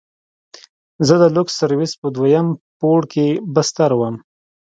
زه د لوکس سرويس په دويم پوړ کښې بستر وم.